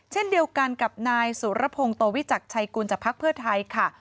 เช่นเดียวกันกับนายสุรพงศ์โตวิจักรชัยกุลจากภักดิ์เพื่อไทยค่ะ